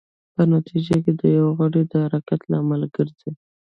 په نتېجه کې د یو غړي د حرکت لامل ګرځي.